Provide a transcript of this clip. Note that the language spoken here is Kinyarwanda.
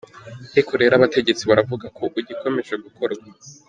Ariko rero abategetsi baravuga ko ugikomeje gukorwa.